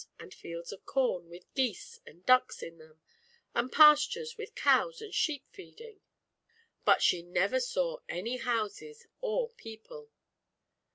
and fields of corn, with geese and ducks in them, and pastures with cows and sheep feeding, but she never saw any houses or people.